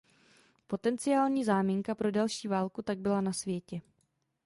Potenciální záminka pro další válku tak byla na světě.